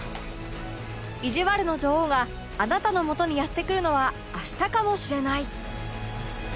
いじわるの女王があなたの元にやって来るのは明日かもしれない